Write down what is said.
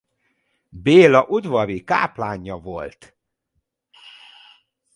Béla udvari káplánja volt.